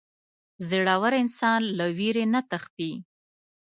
• زړور انسان له وېرې نه تښتي.